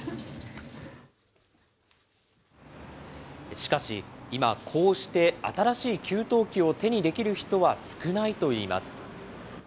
しかし、今、こうして新しい給湯器を手にできる人は少ないといいます。